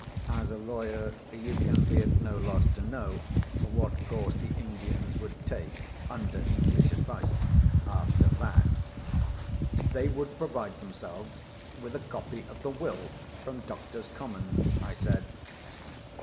As a lawyer, you can be at no loss to know what course the Indians would take (under English advice) after that." "They would provide themselves with a copy of the Will from Doctors' Commons," I said.